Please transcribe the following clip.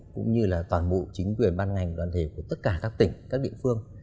cũng như là toàn bộ chính quyền ban ngành đoàn thể của tất cả các tỉnh các địa phương